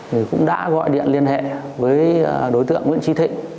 thì cũng đã gọi điện liên hệ với đối tượng nguyễn trí thịnh